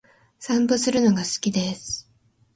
散歩するのが好きです。